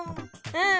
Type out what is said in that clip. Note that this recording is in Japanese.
うん！